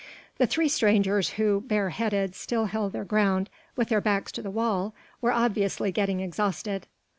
The three strangers who, bare headed, still held their ground with their backs to the wall were obviously getting exhausted.